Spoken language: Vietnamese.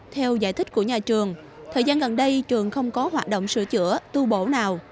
theo giải thích của nhà trường thời gian gần đây trường không có hoạt động sửa chữa tu bổ nào